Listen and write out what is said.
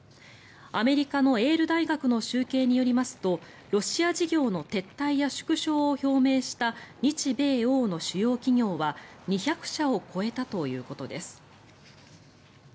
アメリカのエール大学の集計によりますとロシア事業の撤退や縮小を表明した日米欧の主要企業は、２００社を超えたということです。